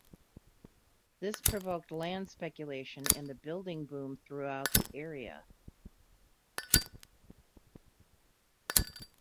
This provoked land speculation and a building boom throughout the area.